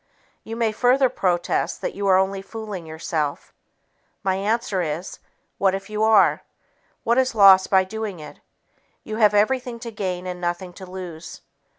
You may further protest that you are only fooling yourself. My answer is, "What if you are?" What is lost by doing it? You have everything to gain and nothing to lose.